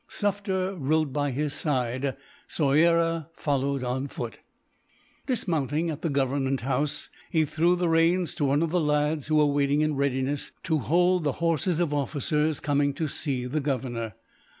Sufder rode by his side, Soyera following on foot. Dismounting at the Government House, he threw the reins to one of the lads, who were waiting in readiness to hold the horses of officers coming to see the Governor.